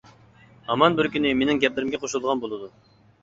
ھامان بىر كۈنى مېنىڭ گەپلىرىمگە قوشۇلىدىغان بولىدۇ.